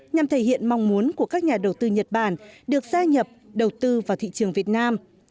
nhằm thể hiện mong muốn của các nhà đầu tư nhật bản được gia nhập đầu tư vào thị trường việt nam